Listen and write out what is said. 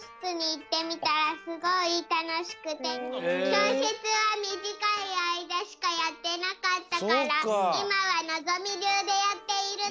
きょうしつはみじかいあいだしかやってなかったからいまはのぞみりゅうでやっているの。